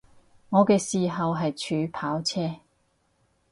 我嘅嗜好係儲跑車